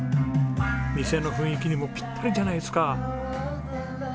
店の雰囲気にもピッタリじゃないですか。